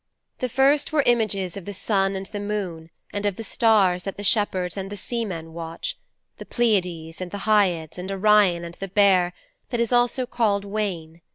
'The first were images of the sun and the moon and of the stars that the shepherds and the seamen watch the Pleiades and Hyads and Orion and the Bear that is also called Wain.